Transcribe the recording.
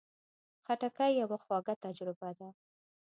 خټکی یوه خواږه تجربه ده.